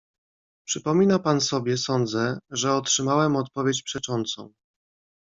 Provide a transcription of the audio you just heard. "Przypomina pan sobie, sądzę, że otrzymałem odpowiedź przeczącą."